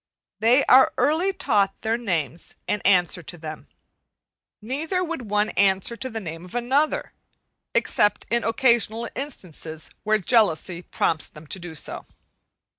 They are early taught their names and answer to them. Neither would one answer to the name of another, except in occasional instances where jealousy prompts them to do so.